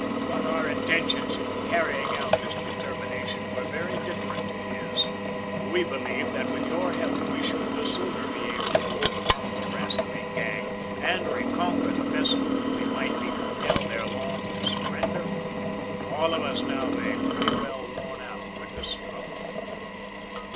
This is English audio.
"But our intentions in carrying out this determination were very different to his, for we believed that, with your help, we should the sooner be able to overcome the rascally gang, and re conquer the vessel we might be compelled, ere long, to surrender, all of us now being pretty well worn out with the struggle!